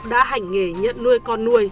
đã hành nghề nhận nuôi con nuôi